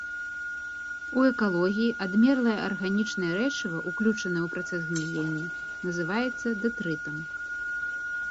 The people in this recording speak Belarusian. У экалогіі адмерлае арганічнае рэчыва, уключанае ў працэс гніення, называецца дэтрытам.